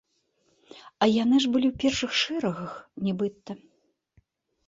А яны ж былі ў першых шэрагах нібыта.